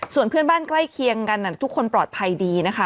ส่วนเพื่อนบ้านใกล้เคียงกันทุกคนปลอดภัยดีนะคะ